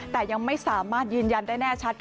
แต่ยังไม่สามารถยืนยันได้แน่ชัด